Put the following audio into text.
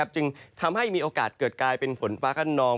จึงทำให้มีโอกาสเกิดกลายเป็นฝนฟ้าขนอง